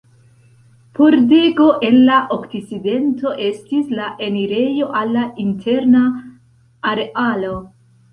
Pordego en la okcidento estis la enirejo al la interna arealo.